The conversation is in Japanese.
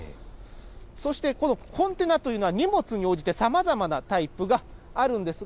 そしてこのコンテナというのは荷物に応じてさまざまなタイプがあるんです。